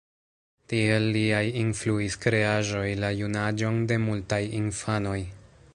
Tiel liaj influis kreaĵoj la junaĝon de multaj infanoj.